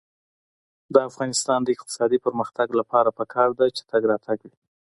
د افغانستان د اقتصادي پرمختګ لپاره پکار ده چې تګ راتګ وي.